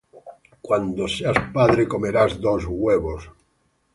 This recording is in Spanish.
Cuando seas padre comerás huevos.